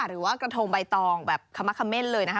หรือว่ากระทงใบตองแบบขมะเขม่นเลยนะคะ